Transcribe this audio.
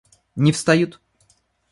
Не встают.